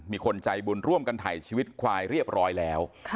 มีคนใจบุญร่วมกันถ่ายชีวิตควายเรียบร้อยแล้ว